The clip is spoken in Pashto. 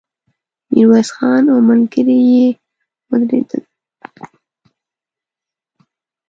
ميرويس خان او ملګري يې ودرېدل.